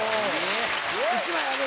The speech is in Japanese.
１枚あげて。